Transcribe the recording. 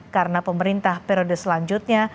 karena pemerintah periode selanjutnya